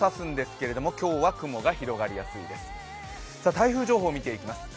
台風情報を見ていきます。